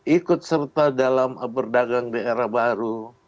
ikut serta dalam berdagang di era baru